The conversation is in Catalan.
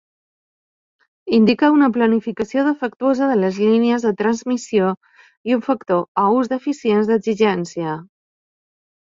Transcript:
Indica una planificació defectuosa de les línies de transmissió i un factor o ús deficients d'exigència.